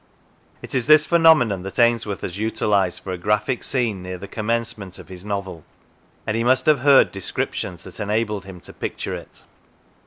It is this phenomenon that Ainsworth has utilised for a graphic scene near the commencement of his novel, and he must have heard descriptions that enabled him to picture it.